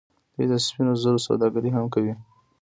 دوی د سپینو زرو سوداګري هم کوي.